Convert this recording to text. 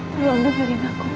tolong dukungin aku